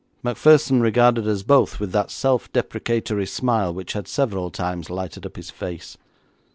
Macpherson regarded us both with that self deprecatory smile which had several times lighted up his face.